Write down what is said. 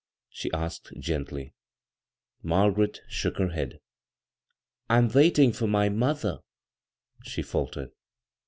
she asked gently. Margaret shook her head. " I'm waiting for my mother, ' she faltered.